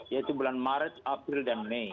yaitu bulan maret april dan mei